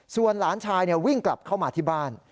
ส่วนหลานชายวิ่งกลับเข้ามาที่บ้าน